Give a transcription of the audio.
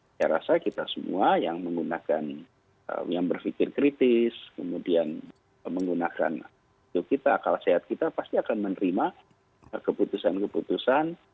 saya rasa kita semua yang menggunakan yang berpikir kritis kemudian menggunakan kita akal sehat kita pasti akan menerima keputusan keputusan